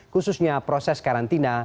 khususnya proses karantina